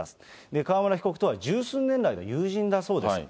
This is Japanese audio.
川村被告とは十数年来の友人だそうです。